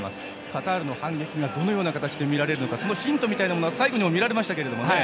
カタールの反撃がどのような形で見られるのかそのヒントみたいなものが最後にも見られましたけど。